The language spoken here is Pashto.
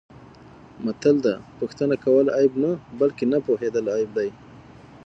متل دی: پوښتنه کول عیب نه، بلکه نه پوهېدل عیب دی.